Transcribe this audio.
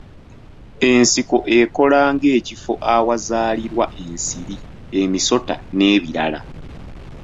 Ensiko ekola ng'ekifo awazaalirwa ensiri, emisota, n'ebirala.